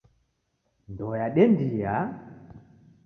Ndoo yadendia